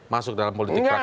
masuk dalam politik praktis